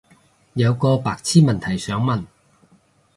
有個白癡問題想問